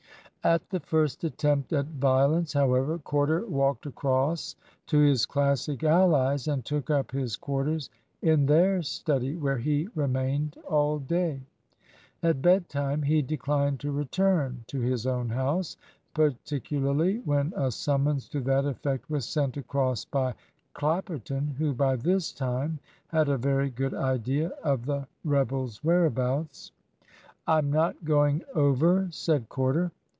At the first attempt at violence, however, Corder walked across to his Classic allies, and took up his quarters in their study, where he remained all day. At bedtime he declined to return to his own house; particularly when a summons to that effect was sent across by Clapperton, who by this time had a very good idea of the rebel's whereabouts. "I'm not going over," said Corder.